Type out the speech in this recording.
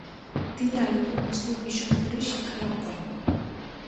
তিনি আলিগড় মুসলিম বিশ্ববিদ্যালয়ে শিক্ষালাভ করেন।